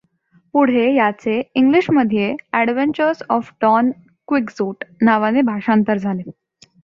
पुढे याचे ईंग्लिशमध्ये ऍड्व्हेन्चर्स ऑफ डॉन क्विक्झोट नावाने भाषांतर झाले.